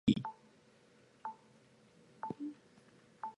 It is one of the largest and densely populated areas in Nigeria.